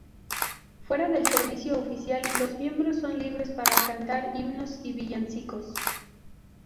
Fuera del servicio oficial, los miembros son libres para cantar himnos y villancicos.